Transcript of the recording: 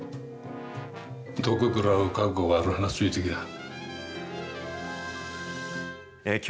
毒食らう覚悟があるならついてきな。